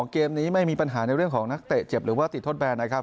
เกมนี้ไม่มีปัญหาในเรื่องของนักเตะเจ็บหรือว่าติดทดแบนนะครับ